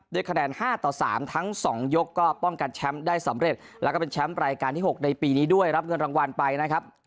คะแนน๕ต่อ๓ทั้ง๒ยกก็ป้องกันแชมป์ได้สำเร็จแล้วก็เป็นแชมป์รายการที่๖ในปีนี้ด้วยรับเงินรางวัลไปนะครับ